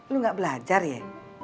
lo gak belajar ya